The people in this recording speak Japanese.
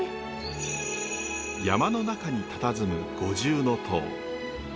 山の中にたたずむ五重塔。